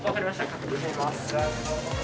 確認してきます。